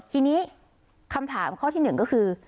ทีนี้คำถามข้อที่๑ก็คือ